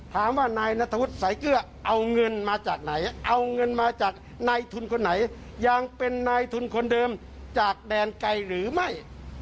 ถามว่านายนัทธวุฒิสายเกลือเอาเงินมาจากไหนเอาเงินมาจากนายทุนคนไหนยังเป็นนายทุนคนเดิมจากแดนไกลหรือไม่